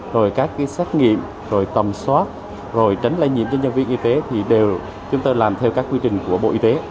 rồi các cái xét nghiệm rồi tầm soát rồi tránh lây nhiễm cho nhân viên y tế thì đều chúng tôi làm theo các quy trình của bộ y tế